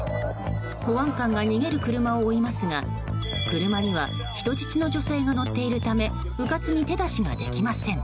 保安官が逃げる車を追いますが車には人質の女性が乗っているためうかつに手出しができません。